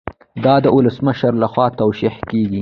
دا د ولسمشر لخوا توشیح کیږي.